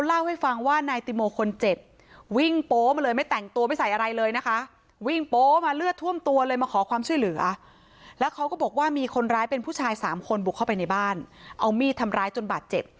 และเขาก็บอกว่ามีคนร้ายเป็นผู้ชายสามคนบุกเข้าไปในบ้านเอามี่ดทำร้ายจนบาดเจ็บ